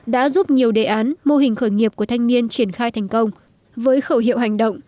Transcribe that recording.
đã giúp nhiều đề án mô hình khởi nghiệp của thanh niên triển khai thành công